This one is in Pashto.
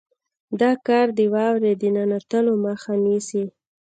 دا کار د واورې د ننوتلو مخه نیسي